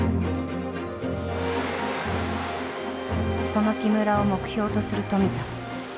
その木村を目標とする富田。